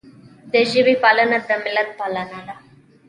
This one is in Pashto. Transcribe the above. د ژبې پالنه د ملت پالنه ده.